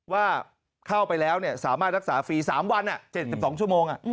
ว่าเข้าไปแล้วสามารถรักษาฟรี๓วัน๗๒ชั่วโมง